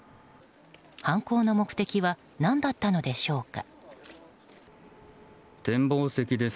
犯行の目的は何だったのでしょうか。